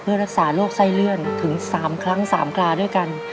เพื่อรักษาโรคไส้เลื่อนถึง๓ครั้ง๓กราด้วยกัน